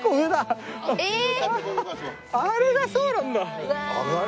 あれがそうなんだ。